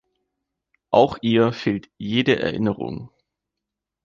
Auch ihr fehlt jede Erinnerung.